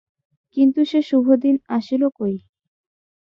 কিন্তু সে শুভদিন আসিল কই।